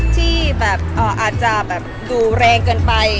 ที่อาจจะดูแรงเกินไป